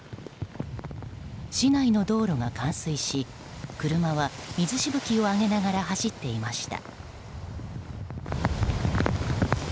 市内の道路が冠水し車は水しぶきを上げながら走っていました。